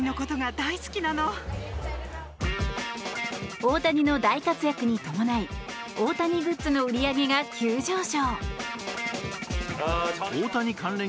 大谷の大活躍に伴い大谷グッズの売り上げが急上昇。